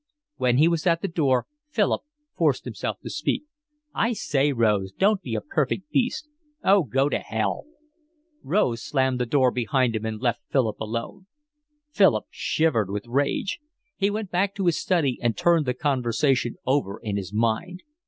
When he was at the door Philip forced himself to speak. "I say, Rose, don't be a perfect beast." "Oh, go to hell." Rose slammed the door behind him and left Philip alone. Philip shivered with rage. He went back to his study and turned the conversation over in his mind.